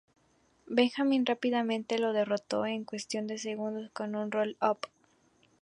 Benjamin rápidamente lo derrotó en cuestión de segundos, con un roll-up.